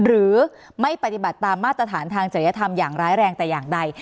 หรือไม่ปฏิบัติตามมาตรฐานทางจริยธรรมอย่างร้ายแรงแต่อย่างใด